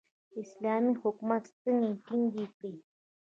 اسلامي حکومت ستنې ټینګې کړې.